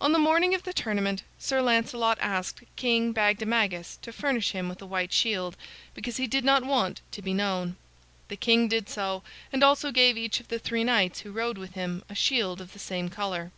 On the morning of the tournament Sir Lancelot asked King Bagdemagus to furnish him with a white shield, because he did not want to be known. The king did so, and also gave each of the three knights who rode with him a shield of the same color.